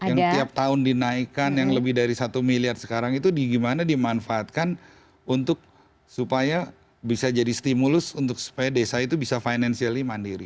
yang tiap tahun dinaikkan yang lebih dari satu miliar sekarang itu gimana dimanfaatkan untuk supaya bisa jadi stimulus untuk supaya desa itu bisa financially mandiri